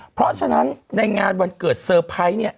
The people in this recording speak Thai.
เพราะฉะนั้นในงานวันเกิดเซอร์ไพรส์เนี่ย